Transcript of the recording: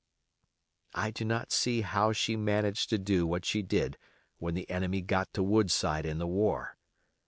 I do not see how she managed to do what she did when the enemy got to Woodside in the war.